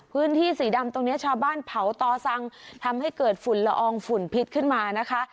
พื้นที่สีดำตรงนี้ชาวบ้านเผาต่อสังทำให้เกิดฝุ่นละอองฝุ่นพิษขึ้นมานะคะ